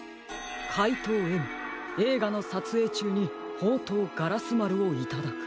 「かいとうＭえいがのさつえいちゅうにほうとうガラスまるをいただく」。